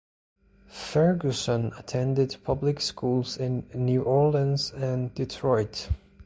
Ferguson attended public schools in New Orleans and Detroit.